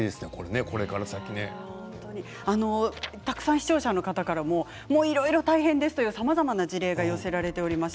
視聴者の方からも大変ですというさまざまな事例が寄せられています。